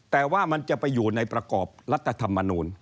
แต่ว่ามันจะไปอยู่ในประกอบรัฐธรรมนูล